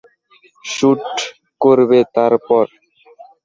Shoot করবে, তারপর?